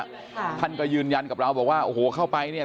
ค่ะท่านก็ยืนยันกับเราบอกว่าโอ้โหเข้าไปเนี่ย